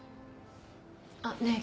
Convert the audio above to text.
あっねえ